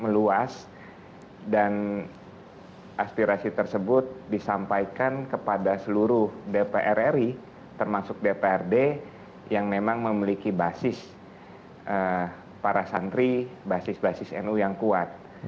meluas dan aspirasi tersebut disampaikan kepada seluruh dpr ri termasuk dprd yang memang memiliki basis para santri basis basis nu yang kuat